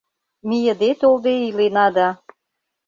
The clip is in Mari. Мийыде-толде илена да